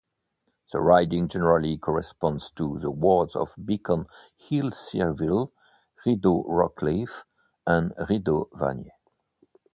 The riding generally corresponds to the wards of Beacon Hill-Cyrville, Rideau-Rockcliffe and Rideau-Vanier.